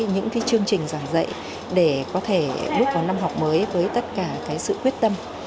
những chương trình giảng dạy để có thể bước vào năm học mới với tất cả sự quyết tâm